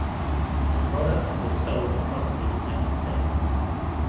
The product was sold across the United States.